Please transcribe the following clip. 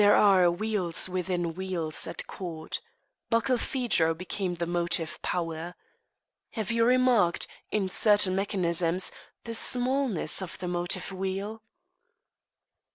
There are wheels within wheels at court. Barkilphedro became the motive power. Have you remarked, in certain mechanisms, the smallness of the motive wheel?